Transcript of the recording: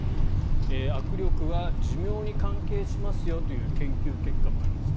握力は寿命に関係しますよという研究結果もあるんです。